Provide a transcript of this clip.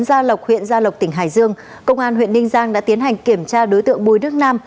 gia lộc huyện gia lộc tỉnh hải dương công an huyện ninh giang đã tiến hành kiểm tra đối tượng bùi đức nam